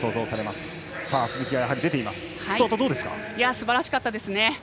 すばらしかったです。